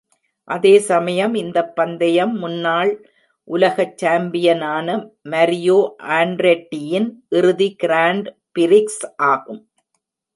அதேசமயம் இந்தப் பந்தயம், முன்னாள் உலகச் சாம்பியனான மரியோ ஆண்ட்ரெட்டியின் இறுதி கிராண்ட் பிரிக்ஸ் ஆகும்.